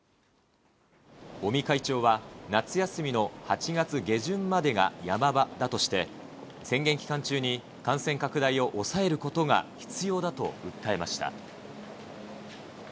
尾身会長は、夏休みの８月下旬までがヤマ場だとして、宣言期間中に、感染拡大を抑えることが必要だと訴えました。